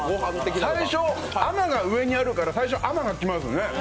最初、甘が上にあるから甘が来ますね。